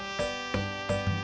ada apa be